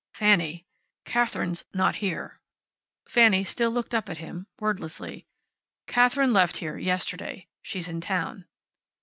"Fanny, Katherine's not here." Fanny still looked up at him, wordlessly. "Katherine left here yesterday. She's in town."